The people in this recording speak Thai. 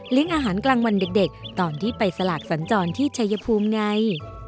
อาหารกลางวันเด็กตอนที่ไปสลากสัญจรที่ชายภูมิไง